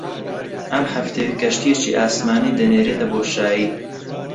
ئەم هەفتەیە کەشتییەکی ئاسمانی دەنێرێتە بۆشایی